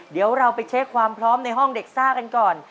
เดี๋ยวเราไปเช็คความพร้อมในห้องเด็กซ่ากันก่อน